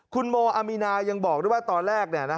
คุณโมอามีนายังบอกด้วยว่าตอนแรก